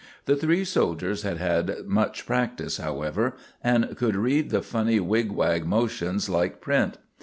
The three soldiers had had much practice, however, and could read the funny wigwag motions like print.